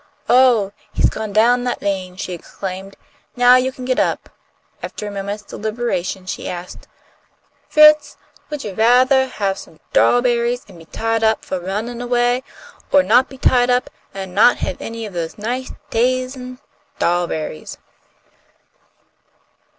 "Oh, he's gone down that lane!" she exclaimed. "Now you can get up." After a moment's deliberation she asked, "Fritz, would you rathah have some 'trawberries an' be tied up fo' runnin' away, or not be tied up and not have any of those nice tas'en 'trawberries?"